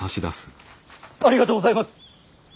ありがとうございます！